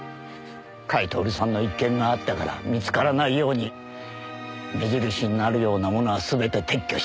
甲斐享さんの一件があったから見つからないように目印になるようなものはすべて撤去しました。